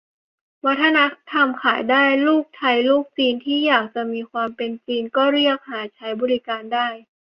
วัฒนธรรมขายได้ : ลูกไทยลูกจีนที่อยากจะมีความเป็นจีน ก็เรียกหาใช้บริการได้